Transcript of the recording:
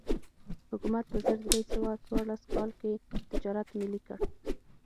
حکومت په زر درې سوه څوارلس کال کې تجارت ملي کړ.